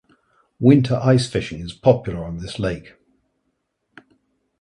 Winter ice fishing is popular on this lake.